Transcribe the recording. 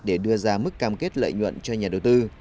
để đưa ra mức cam kết lợi nhuận cho nhà đầu tư